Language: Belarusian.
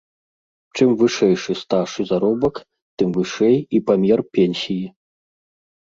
Чым вышэйшы стаж і заробак, тым вышэй і памер пенсіі.